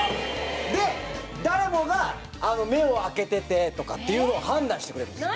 で誰もが目を開けててとかっていうのを判断してくれるんです。